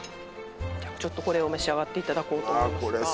ちょっとこれを召し上がっていただこうと思いますがわあ